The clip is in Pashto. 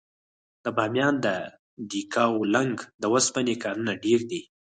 د بامیان د یکاولنګ د اوسپنې کانونه ډیر دي.